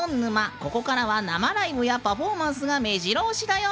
ここからは生ライブやパフォーマンスがめじろ押しだよ！